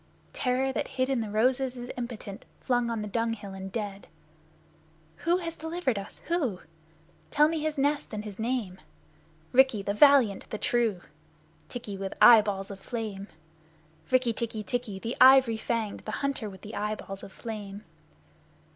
Terror that hid in the roses is impotent flung on the dung hill and dead! Who has delivered us, who? Tell me his nest and his name. Rikki, the valiant, the true, Tikki, with eyeballs of flame, Rikk tikki tikki, the ivory fanged, the hunter with eyeballs of flame!